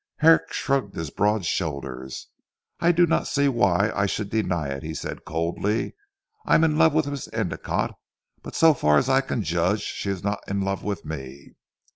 Herrick shrugged his broad shoulders. "I do not see why I should deny it," he said coldly, "I am in love with Miss Endicotte; but so far as I can judge she is not in love with me.